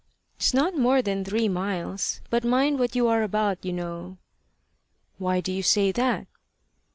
"It's not more than three miles. But mind what you are about, you know." "Why do you say that?"